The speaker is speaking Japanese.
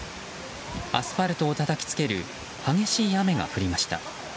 アスファルトをたたきつける激しい雨が降りました。